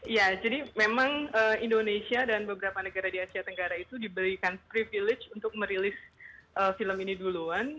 ya jadi memang indonesia dan beberapa negara di asia tenggara itu diberikan privilege untuk merilis film ini duluan